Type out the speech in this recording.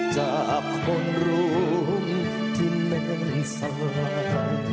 จากคนรู้ที่เล่นสลาย